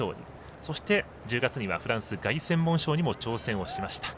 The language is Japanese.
そして、１０月にはフランス凱旋門賞にも挑戦をしました。